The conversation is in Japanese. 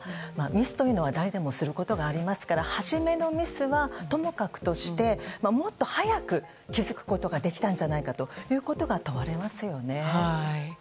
ミスというのは誰でもすることがありますから初めのミスはともかくとしてもっと早く気付くことができたんじゃないかと問われますよね。